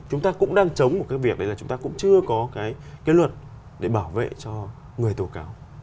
chúng ta cũng đang chống một cái việc đấy là chúng ta cũng chưa có cái luật để bảo vệ cho người tố cáo